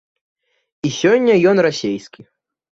І сёння ён расійскі.